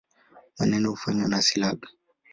Maneno kufanywa na silabi.